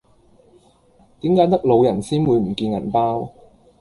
點解得老人先會唔見銀包